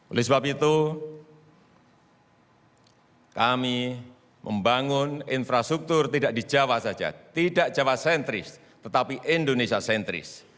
oleh sebab itu kami membangun infrastruktur tidak di jawa saja tidak jawa sentris tetapi indonesia sentris